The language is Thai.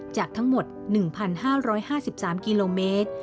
จากทั้งหมด๑๕๕๓กิโลเมตร